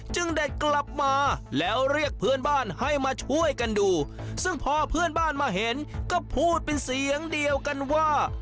เด็ดกลับมาแล้วเรียกเพื่อนบ้านให้มาช่วยกันดูซึ่งพอเพื่อนบ้านมาเห็นก็พูดเป็นเสียงเดียวกันว่า